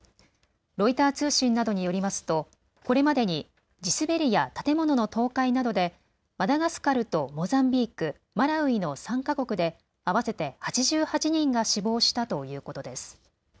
ロイター通信などによりますとこれまでに地滑りや建物の倒壊などでマダガスカルとモザンビーク、マラウイの３か国で合わせて８８人が死亡したということです。